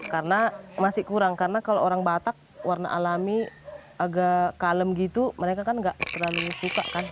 karena masih kurang karena kalau orang batak warna alami agak kalem gitu mereka kan nggak terlalu suka kan